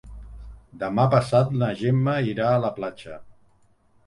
Demà passat na Gemma irà a la platja.